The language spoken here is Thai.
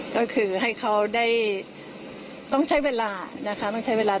ก็คือให้เขาได้ต้องใช้เวลานะคะต้องใช้เวลา